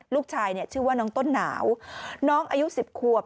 ลูกชายชื่อว่าน้องต้นหนาวน้องอายุ๑๐ขวบ